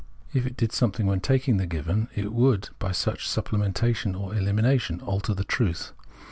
If it did something when taking the given, it would by such supplementa tion or elimination alter the truth.